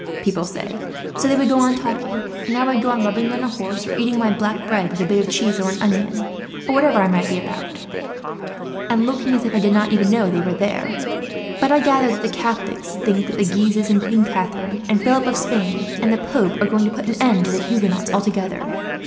"So they would go on talking, and I would go on rubbing down a horse, or eating my black bread with a bit of cheese or an onion, or whatever I might be about, and looking as if I did not even know they were there. But I gathered that the Catholics think that the Guises, and Queen Catherine, and Philip of Spain, and the Pope are going to put an end to the Huguenots altogether.